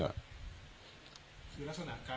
อ่าใช่ค่ะ